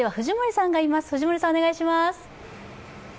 藤森さんお願いします。